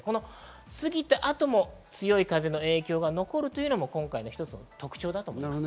過ぎた後も強い風の影響が残るというのも今回の一つの特徴です。